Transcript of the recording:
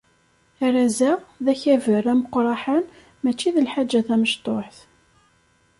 Arraz-a, d akaber ameqraḥan mačči d lḥaǧa tamectuḥt.